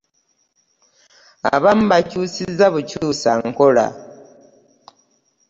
Abamu bakyusizza bukyusa nkola.